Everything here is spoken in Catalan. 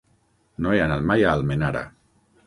No he anat mai a Almenara.